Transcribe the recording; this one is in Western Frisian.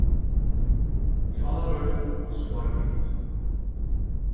Faeröer as foarbyld.